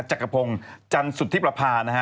จักรพงธ์จรรย์สุทธิปรภาษณ์นะฮะ